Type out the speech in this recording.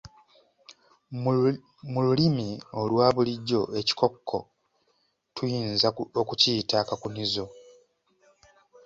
Mu lulimi olwa bulijjo ekikokko tuyinza okukiyita akakunizo.